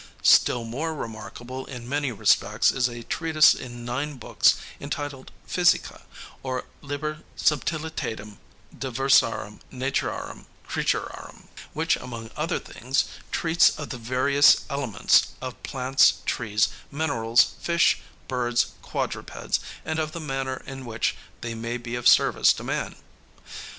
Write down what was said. Still more remarkable, in many respects, is a treatise in nine books, entitled Physica or Liber Subtilitatum Diversarum Naturarum Creaturarum, which, among other things, treats of the various elements, of plants, trees, minerals, fish, birds, quadrupeds, and of the manner in which they may be of service to man.